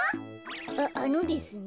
ああのですね